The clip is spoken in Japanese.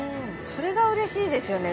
それが嬉しいですよね